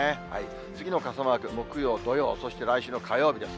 次の傘マーク、木曜、土曜、そして来週の火曜日です。